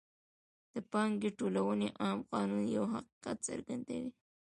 د پانګې ټولونې عام قانون یو حقیقت څرګندوي